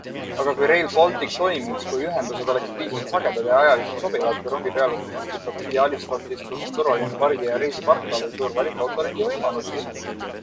Aga kui Rail Baltic toimiks, kui ühendused oleksid piisavalt sagedad ja ajaliselt sobivad, kui rongi peale saaks istuda Byalistokis, kus on turvaline pargi-ja-reisi-parkla või suur valik autorendivõimalusi?